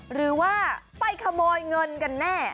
หรือว่าไปขโมยเงินกันแน่